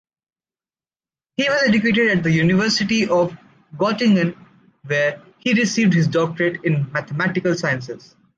He was educated at the University of Göttingen, where he received his doctorate in mathematical sciences.